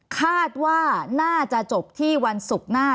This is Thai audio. คาดว่าน่าจะจบที่วันศุกร์หน้า